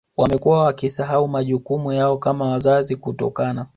Wamekuwa wakisahau majukumu yao kama wazazi kutokana